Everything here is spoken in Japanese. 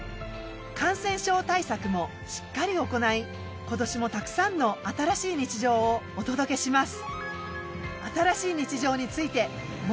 感染症対策もしっかり行い今年もたくさんの新しい日常をお届けします。